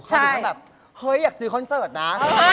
เขาดูกันแบบเฮ้ยอยากซื้อคอนเสิร์ตนะ